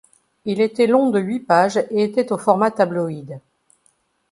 Il était long de huit pages et était au format tabloïd.